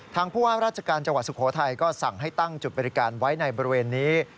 ผู้ว่าราชการจังหวัดสุโขทัยก็สั่งให้ตั้งจุดบริการไว้ในบริเวณนี้